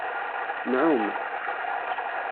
Nɛum.